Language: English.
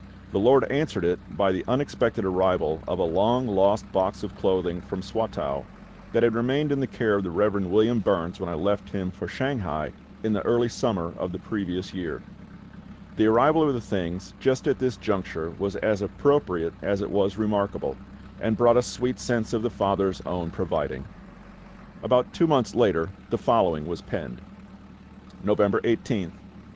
The LORD answered it by the unexpected arrival of a long lost box of clothing from Swatow, that had remained in the care of the Rev. William Burns when I left him for Shanghai, in the early summer of the previous year. The arrival of the things just at this juncture was as appropriate as it was remarkable, and brought a sweet sense of the FATHER'S own providing. About two months later the following was penned: _November 18th, 1857.